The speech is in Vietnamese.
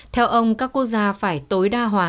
theo ông các quốc gia phải tối đa hóa